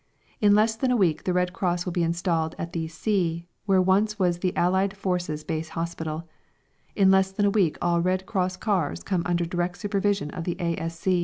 In less than a week the Red Cross will be installed at the C , where once was the Allied Forces Base Hospital. In less than a week all Red Cross cars come under direct supervision of the A.